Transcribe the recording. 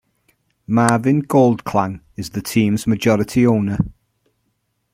Marvin Goldklang is the team's majority owner.